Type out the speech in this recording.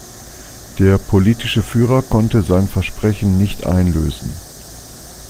Der politische Führer konnte seine Versprechen nicht einlösen.